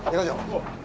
おう。